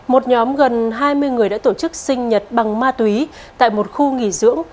một nhóm gần hai mươi người đã tổ chức sinh nhật bằng ma túy tại một khu nghỉ dưỡng